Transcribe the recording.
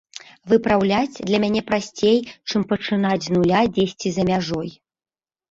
Выпраўляць для мяне прасцей, чым пачынаць з нуля дзесьці за мяжой.